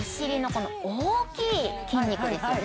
この大きい筋肉ですよね